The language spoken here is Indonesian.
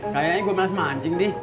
kayaknya gue males mancing nih